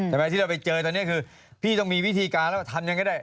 ที่เราไปเจอตอนนี้คือพี่ต้องมีวิธีการแล้วทำยังไงก็ได้